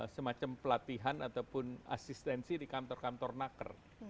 semacam pelatihan ataupun asistensi di kantor kantor naker